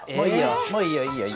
もういいよ。